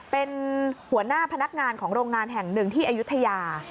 เป็นหัวหน้าพนักงานของโรงงานแห่งหนึ่งที่อายุทยา